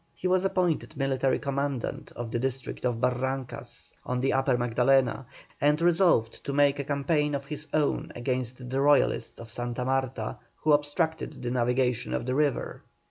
He was appointed military commandant of the district of Barrancas, on the Upper Magdalena, and resolved to make a campaign of his own against the Royalists of Santa Marta, who obstructed the navigation of the river.